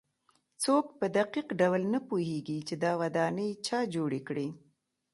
څوک په دقیق ډول نه پوهېږي چې دا ودانۍ چا جوړې کړې.